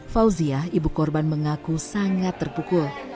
fauzia ibu korban mengaku sangat terdengar